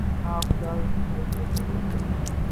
آپ اداس دکھائی دیتے ہیں